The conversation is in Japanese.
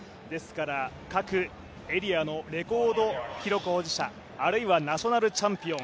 各エリアのレコード記録保持者あるいはナショナルチャンピオン